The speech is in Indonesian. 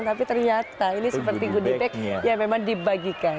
tapi ternyata ini seperti goodie bag yang memang dibagikan